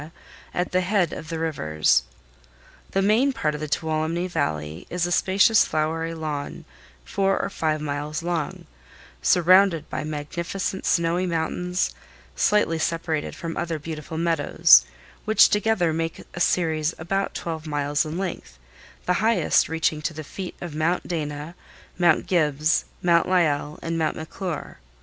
at the head of the rivers. The main part of the Tuolumne Valley is a spacious flowery lawn four or five miles long, surrounded by magnificent snowy mountains, slightly separated from other beautiful meadows, which together make a series about twelve miles in length, the highest reaching to the feet of Mount Dana, Mount Gibbs, Mount Lyell and Mount McClure.